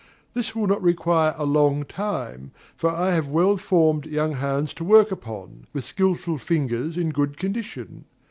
This will not require a long time, for I have well formed, young hands to work upon, with skilful fingers in good condition.